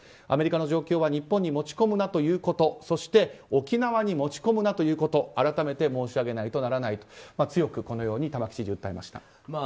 アメリカの状況は日本に持ち込むなということそして沖縄に持ち込むなということ改めて申し上げないとならないと強く玉城知事はおっしゃいました。